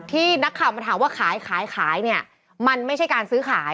ที่นักข่าวมาถามว่าขายขายเนี่ยมันไม่ใช่การซื้อขาย